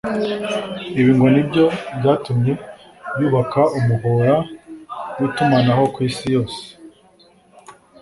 Ibi ngo ni byo byatumye yubaka umuhora w’itumanaho ku isi yose